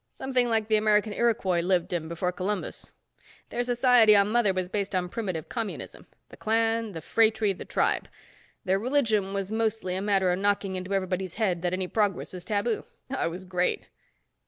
Something like the American Iroquois lived in before Columbus. Their society on Mother was based on primitive communism. The clan, the phratry, the tribe. Their religion was mostly a matter of knocking into everybody's head that any progress was taboo. Oh, it was great."